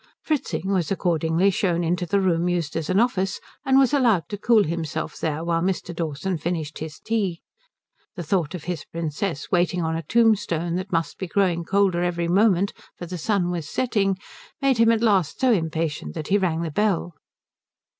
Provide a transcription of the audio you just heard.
Fritzing was accordingly shown into the room used as an office, and was allowed to cool himself there while Mr. Dawson finished his tea. The thought of his Princess waiting on a tombstone that must be growing colder every moment, for the sun was setting, made him at last so impatient that he rang the bell.